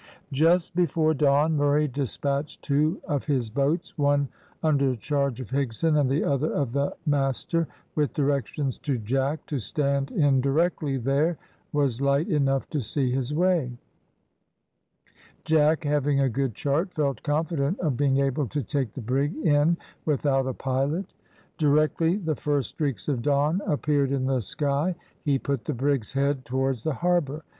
Just before dawn Murray despatched two of his boats, one under charge of Higson, and the other of the master, with directions to Jack to stand in directly there was light enough to see his way. Jack, having a good chart, felt confident of being able to take the brig in without a pilot. Directly the first streaks of dawn appeared in the sky, he put the brig's head towards the harbour.